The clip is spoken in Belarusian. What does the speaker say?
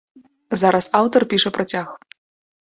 Зараз аўтар піша працяг.